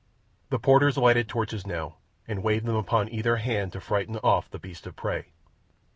The porters lighted torches now and waved them upon either hand to frighten off the beasts of prey.